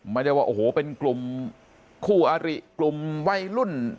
ไม่ได้ว่าโอ้โหเป็นกลุ่มคู่อาริกลุ่มวัยรุ่น